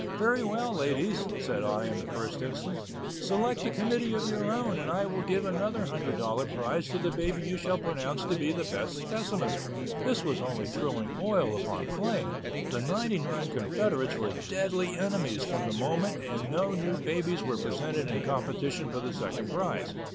"Very well, ladies," said I in the first instance, "select a committee of your own and I will give another $100 prize to the baby you shall pronounce to be the best specimen." This was only throwing oil upon flame; the ninety nine confederates were deadly enemies from the moment and no new babies were presented in competition for the second prize.